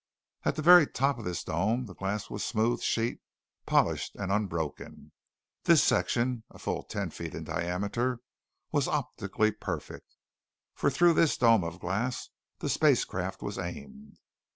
At the very top of this dome the glass was a smooth sheet, polished and unbroken. This section, a full ten feet in diameter, was optically perfect. For through this dome of glass the spacecraft was aimed.